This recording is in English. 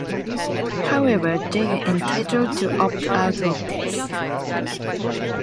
However, they are entitled to opt out of this.